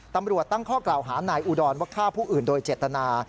ตำรวจตั้งข้อกล่าวหานายอุดรว่าฆ่าผู้อื่นโดยเจตนา